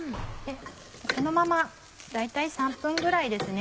そのまま大体３分ぐらいですね